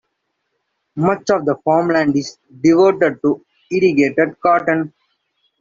Much of the farmland is devoted to irrigated cotton.